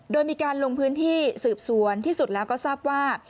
โดยมีการลงพื้นที่สืบสวนที่สุดแล้วก็ทราบว่า